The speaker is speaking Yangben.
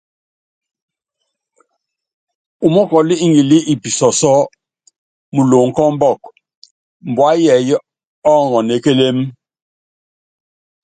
Mɔ́kɔl ŋilí i pisɔsɔ́ muloŋ kɔ ɔmbɔk, mbua yɛɛyɛ́ ɔɔŋɔn e kélém.